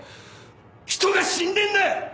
人が死んでんだよ！